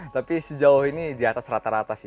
tapi sejauh ini di atas rata rata sih